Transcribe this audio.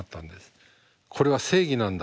これは正義なんだと。